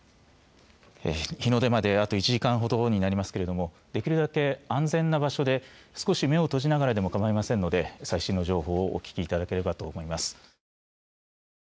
日の出まで、あと１時間ほどになりますけれどもできるだけ安全な場所で少し目を閉じながらでもかまいませんので、最新の情報をお聞きいただければと思います。